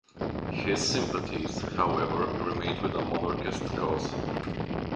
His sympathies, however, remained with the monarchist cause.